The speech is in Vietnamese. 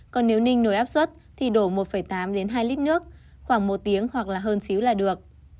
còn nếu ninh nồi áp suất thì đổ một tám hai lít nước khoảng một tiếng hoặc hơn xíu là được